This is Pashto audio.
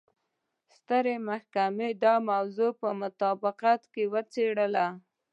سترې محکمې دا موضوع په مطابقت کې څېړله.